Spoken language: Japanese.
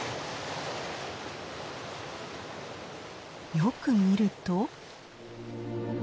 よく見ると。